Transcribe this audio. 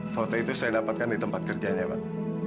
foto itu saya dapatkan di tempat kerjanya pak